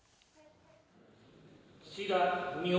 岸田文雄